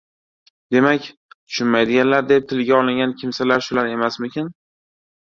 Demak, tushunmaydilar» deb tilga olingan kimsalar shular emasmikin?